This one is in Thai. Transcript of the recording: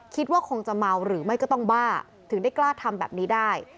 คิดว่าคงจะเมาหรือไม่ก็ต้องบ้าถึงได้กล้าทำแบบนี้ได้